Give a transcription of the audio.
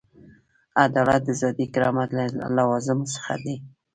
عدالت د ذاتي کرامت له لوازمو څخه دی.